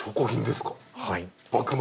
はい。